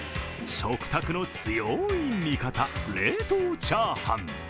食卓の強い味方、冷凍チャーハン。